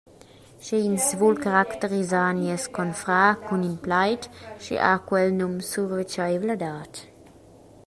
Sche ins vul caracterisar nies confrar cun in plaid, sche ha quel num survetscheivladad.